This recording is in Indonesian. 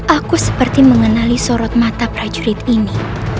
aku seperti mengenali sorot mata prajurit ini